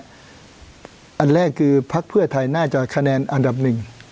อันแรกคือพักเพื่อไทยน่าจะคะแนนอันดับหนึ่ง